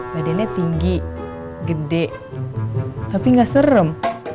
badannya tinggi gede tapi nggak serem